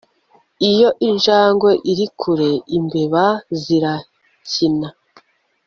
Iyo injangwe iri kure imbeba zizakina